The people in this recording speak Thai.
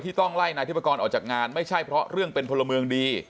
ต้องไล่นายทิพกรออกจากงานไม่ใช่เพราะเรื่องเป็นพลเมืองดี